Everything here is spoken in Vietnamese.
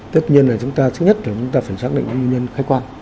tất nhiên là chúng ta thứ nhất là chúng ta phải xác định những nguyên nhân khách quan